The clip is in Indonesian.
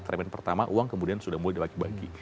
terlemen pertama uang kemudian sudah mulai dibagi bagi